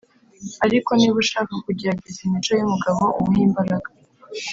ariko niba ushaka kugerageza imico yumugabo umuhe imbaraga.